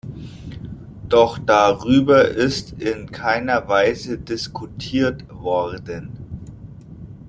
Doch darüber ist in keiner Weise diskutiert worden.